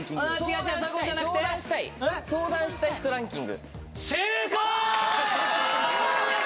人生相談したい有名人ランキング。